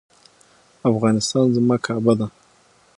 افغانستان زما کعبه ده